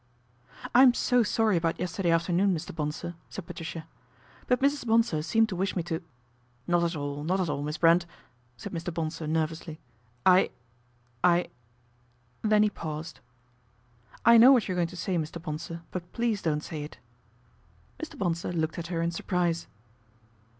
" I'm so sorry about yesterday afternoon, Mr. Bonsor," said Patricia ;" but Mrs. Bonsor seemed to wish me to "" Not at all, not at all, Miss Brent," said Mr. Bonsor nervously. " I I " then he paused. " I know what you're going to say, Mr. Bonsor, but please don't say it." Mr. Bonsor looked at her in surprise.